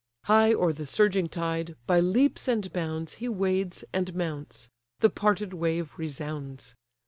High o'er the surging tide, by leaps and bounds, He wades, and mounts; the parted wave resounds.